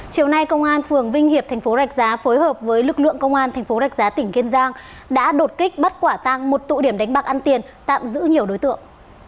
chiều nay công an phường vinh hiệp tp rạch giá phối hợp với lực lượng công an tp rạch giá tỉnh kiên giang đã đột kích bắt quả tăng một tụ điểm đánh bạc ăn tiền tạm giữ nhiều đối tượng